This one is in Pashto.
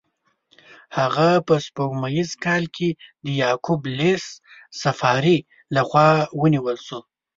هغه په سپوږمیز کال کې د یعقوب لیث صفاري له خوا ونیول شو.